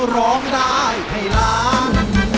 ร้องได้ให้ล้าน